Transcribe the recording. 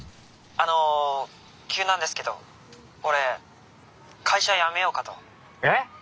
あの急なんですけど俺会社辞めようかと。え